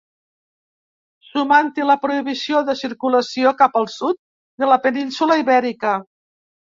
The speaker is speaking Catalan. Sumant-hi la prohibició de circulació cap al sud de la península Ibèrica.